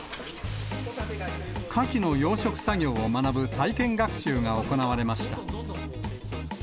カキの養殖作業を学ぶ体験学習が行われました。